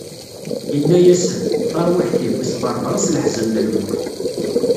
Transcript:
Inna-asen: Taṛwiḥt-iw, isberber-as leḥzen n lmut.